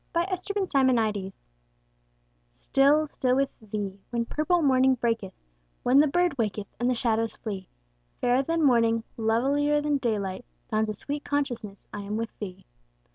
Y Z Still, Still with Thee STILL, still with Thee, when purple morning breaketh, When the bird waketh and the shadows flee; Fairer than morning, lovilier than daylight, Dawns the sweet consciousness I am with Thee.